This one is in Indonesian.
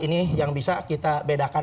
ini yang bisa kita bedakan